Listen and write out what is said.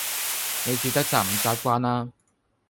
你住得習唔習慣呀